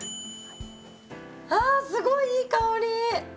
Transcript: あすごいいい香り！